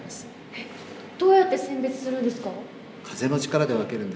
えっどうやって選別するんですか？